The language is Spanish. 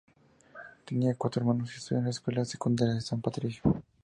Tenía cuatro hermanos y estudió en la escuela secundaria de San Patricio.